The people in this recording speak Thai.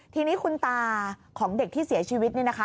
ทีนี้คุณตาของเด็กที่เสียชีวิตนี่นะคะ